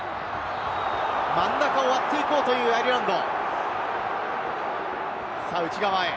真ん中を割っていこうというアイルランド。